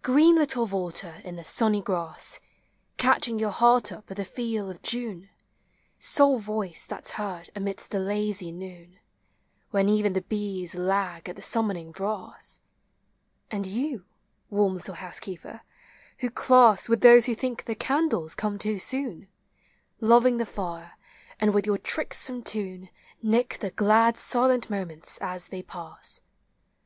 Green little vaulter in the sunny grass, Catching your heart up at the feel of June, — Sole voice that 's heard amidst the lazy noon, When even the bees lag at the summoning brass; And you, warm little housekeeper, who class With those who think the candles come too soon, Loving the fire, and with your tricksome tune Nick the glad silent moments as they pass!